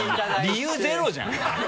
理由ゼロじゃん。